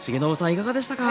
いかがでしたか？